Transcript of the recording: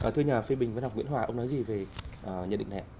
thưa nhà phê bình văn học nguyễn hòa ông nói gì về nhận định này ạ